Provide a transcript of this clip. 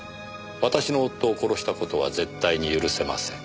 「私の夫を殺したことは絶対に許せません」